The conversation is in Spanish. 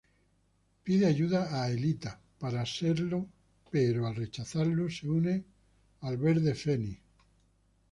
Pide ayuda a Aelita para serlo pero, al rechazarlo, se une al Green Phoenix.